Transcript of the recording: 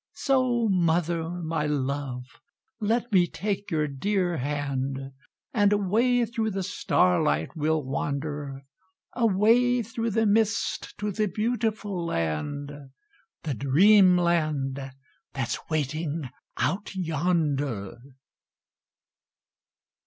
So Mother My Love, let me take your dear hand, And away through the starlight we'll wander Away through the mist to the beautiful land The Dreamland that's waiting out yonder!